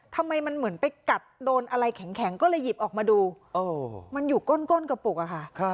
ทำไมมันเหมือนไปกัดโดนอะไรแข็งก็เลยหยิบออกมาดูมันอยู่ก้นกระปุกอะค่ะ